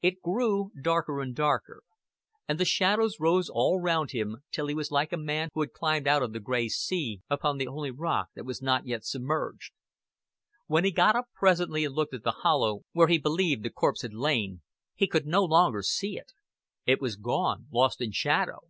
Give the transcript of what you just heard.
It grew darker and darker, and the shadows rose all round him till he was like a man who had climbed out of the gray sea upon the only rock that was not yet submerged. When he got up presently and looked down at the hollow where he believed the corpse had lain, he could no longer see it. It was gone, lost in shadow.